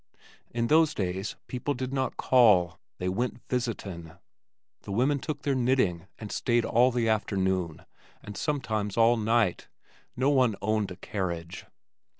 In those days people did not "call," they went "visitin'." The women took their knitting and stayed all the afternoon and sometimes all night. No one owned a carriage.